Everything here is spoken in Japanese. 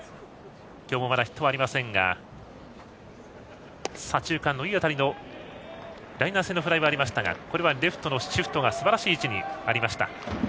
今日はまだヒットはありませんが左中間にいい当たりのライナー性のフライもありましたがこれはレフトのシフトがすばらしい位置にありました。